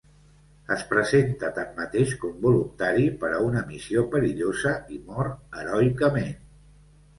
Es presenta tanmateix com voluntari per a una missió perillosa i mor heroicament.